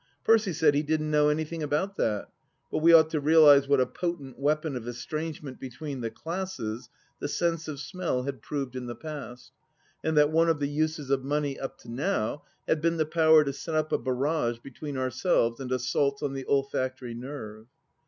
Percy said he didn't know any thing about th^t, but we ought to realize what a potent weapon of estrangement between the classes the sense of smell had proved in the past, and that one of the uses of money up to now had been the power to set up a barrage between ourselves and assaults on the olfactory nerve.